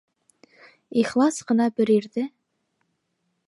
Ихлас ҡына бер ирҙе...